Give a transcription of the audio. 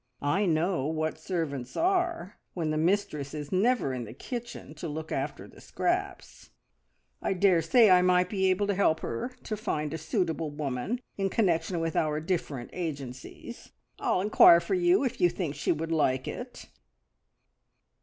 I know what servants are when the mistress is never in the kitchen to look after the scraps. I daresay I might be able to help her to find a suitable woman in connection with our different agencies. I'll inquire for you if you think she would like it."